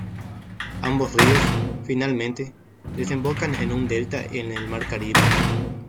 Ambos ríos, finalmente, desembocan en un delta en el Mar Caribe.